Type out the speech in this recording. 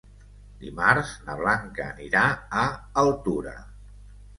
Dimarts na Blanca anirà a Altura.